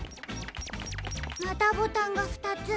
またボタンがふたつ。